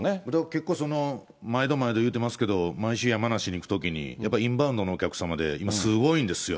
結構、毎度毎度言うてますけど、毎週、山梨に行くときに、やっぱりインバウンドのお客様で今、すごいんですよ。